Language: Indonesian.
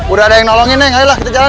udah ada yang nolongin enggak jalan jalan